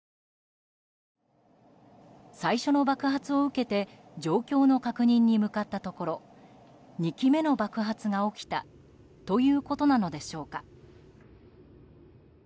最初の爆発を受けて状況の確認に向かったところ２機目の爆発が起きたということなのでしょうか。